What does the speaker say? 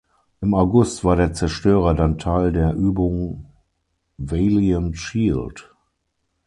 Im August war der Zerstörer dann Teil der Übung Valiant Shield.